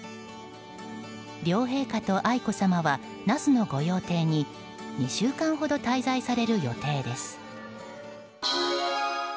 両陛下と愛子さまは那須の御用邸に２週間ほど滞在される予定です。